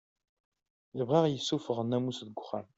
Ibɣa ad aɣ-issufeɣ nnamus seg uxxam.